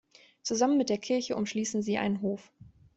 Zusammen mit der Kirche umschließen sie einen Hof.